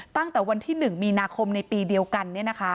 ตั้งแต่วันที่๑มีนาคมในปีเดียวกัน